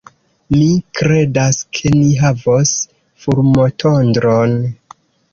Mi kredas, ke ni havos fulmotondron.